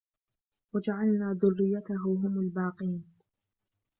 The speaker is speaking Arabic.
وَجَعَلْنَا ذُرِّيَّتَهُ هُمُ الْبَاقِينَ